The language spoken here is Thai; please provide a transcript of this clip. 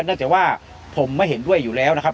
เนื่องจากว่าผมไม่เห็นด้วยอยู่แล้วนะครับ